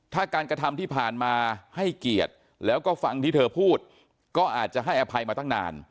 ถ้าการกระทำที่ผ่านมาให้เกียรติแล้วก็ฟังที่เธอพูดก็อาจจะให้อภัยมาตั้งนาน